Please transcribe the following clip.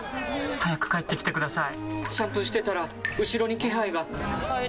早く帰ってきてください！